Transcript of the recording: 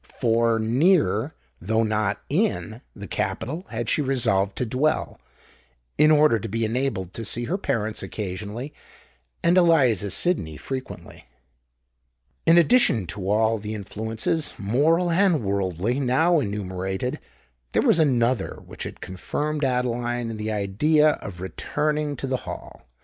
—for near, though not in, the capital had she resolved to dwell, in order to be enabled to see her parents occasionally, and Eliza Sydney frequently. In addition to all the influences, moral and worldly, now enumerated, there was another which had confirmed Adeline in the idea of returning to the Hall.